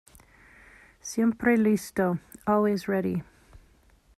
"Siempre listo", "Always ready".